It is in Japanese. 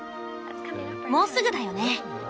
もうすぐだよね！